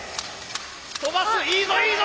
飛ばすいいぞいいぞ！